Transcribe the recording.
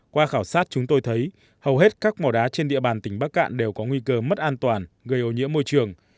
qua khảo sát chúng tôi thấy hầu hết các mỏ đá trên địa bàn tỉnh bắc cạn đều có nguy cơ mất an toàn gây ô nhiễm môi trường